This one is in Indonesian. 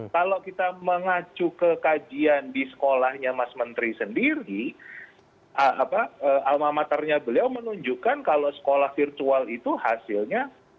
kalau kita mengacu ke kajian di sekolahnya mas menteri sendiri almamaternya beliau menunjukkan kalau sekolah virtual itu hasilnya